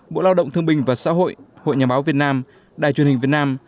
bộ lao động thương binh và xã hội hội nhà báo việt nam đài truyền hình việt nam